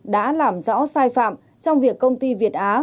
đã làm rõ sai phạm trong việc công ty việt á